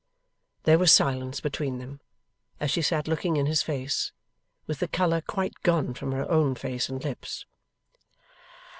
There was silence between them, as she sat looking in his face, with the colour quite gone from her own face and lips.